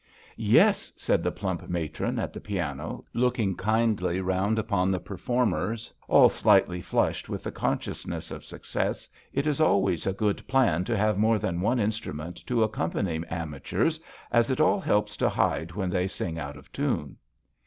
" Yes," said the plump matron at the piano, looking kindly round upon the performers, all slightly flushed with the consciousness of success. It is always a good plan to have more than one in strument to accompany amateurs, as it all helps to hide when they sing out of tune."